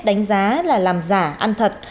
đánh giá là làm giả ăn thật